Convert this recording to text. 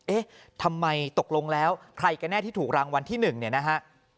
เอ๊ะทำไมตกลงแล้วใครกันแน่ที่ถูกรางวัลที่๑เนี่ยนะฮะ